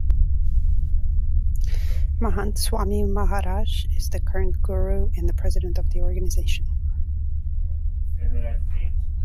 Mahant Swami Maharaj is the current Guru and the president of the organization.